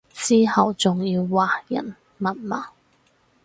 之後仲要話人文盲